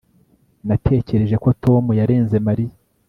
natekereje ko tom yarenze mariya